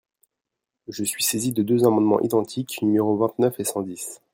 Je suis saisi de deux amendements identiques, numéros vingt-neuf et cent dix.